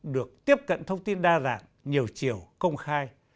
được tiếp cận thông tin đa dạng nhiều chiều công khai